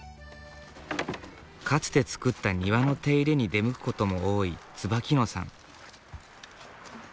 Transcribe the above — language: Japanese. かつて造った庭の手入れに出向くことも多い椿野さん。